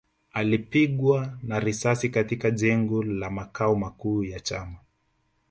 Alipigwa na risasi katika jengo la makao makuu ya chama